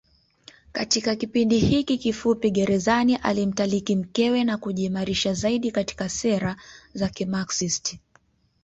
Katika kipindi hiki kifupi gerezani alimtaliki mkewe na kujiimarisha zaidi katika sera za kimaxist